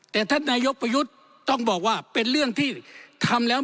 แต่ท่านนายกประยุทธ์ต้องบอกว่าเป็นเรื่องที่ทำแล้ว